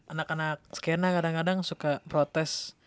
anak anak skena kadang kadang suka protes